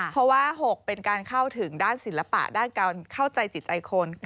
เพราะว่า๖เป็นการเข้าถึงด้านศิลปะด้านการเข้าใจจิตใจคน